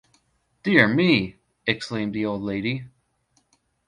‘Dear me!’ exclaimed the old lady.